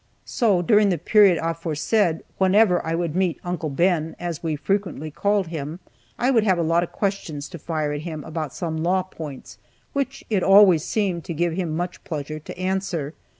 So, during the period aforesaid, whenever I would meet "Uncle Ben" (as we frequently called him), I would have a lot of questions to fire at him about some law points, which it always seemed to give him much pleasure to answer.